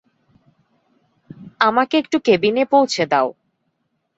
আমাকে একটু কেবিনে পৌঁছে দাও।